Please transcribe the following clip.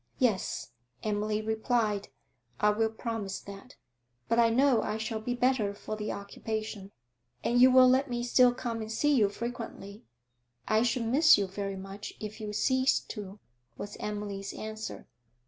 'Yes,' Emily replied, 'I will promise that. But I know I shall be better for the occupation.' 'And you will let me still come and see you frequently?' 'I should miss you very much if you ceased to,' was Emily's answer.